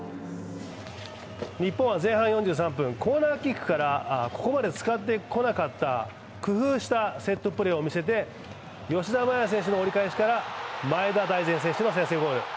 日本は前半４３分、コーナーキックから、ここまで使ってこなかった工夫したセットプレーを見せて吉田麻也選手から前田大然選手の先制ゴール。